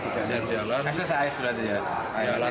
saya selesai sudah jalan